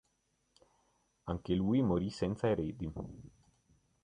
Anche lui morì senza eredi.